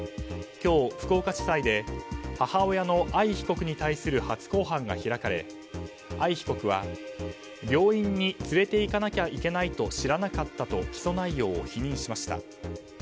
今日、福岡地裁で母親の藍被告に対する初公判が開かれ、藍被告は病院に連れていかなきゃいけないと知らなかったと起訴内容を否認しました。